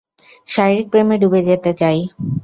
শারীরিক প্রেমে ডুবে যেতে চাই।